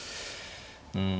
うん。